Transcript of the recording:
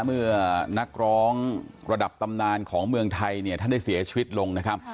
เมื่อนักร้องระดับตำนานของเมืองไทยเนี่ยท่านได้เสียชีวิตลงนะครับ